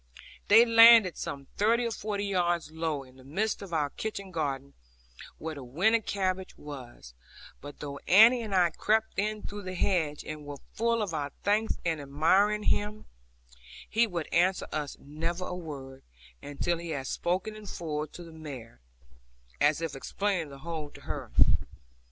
They landed some thirty or forty yards lower, in the midst of our kitchen garden, where the winter cabbage was; but though Annie and I crept in through the hedge, and were full of our thanks and admiring him, he would answer us never a word, until he had spoken in full to the mare, as if explaining the whole to her.